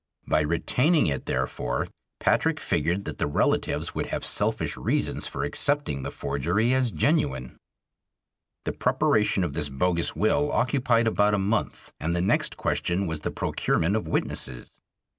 By retaining it, therefore, Patrick figured that the relatives would have selfish reasons for accepting the forgery as genuine. The preparation of this bogus will occupied about a month, and the next question was the procurement of witnesses.